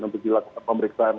untuk dilakukan pemeriksaan